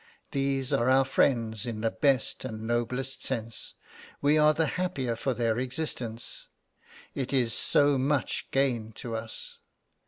These are our friends in the best and noblest sense. We are the happier for their existence, it is so much gain to us.